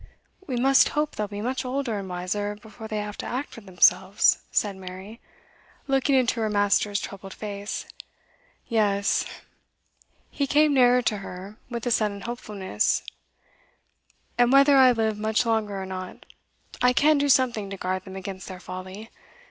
'We must hope they'll be much older and wiser before they have to act for themselves,' said Mary, looking into her master's troubled face. 'Yes!' He came nearer to her, with a sudden hopefulness. 'And whether I live much longer or not, I can do something to guard them against their folly.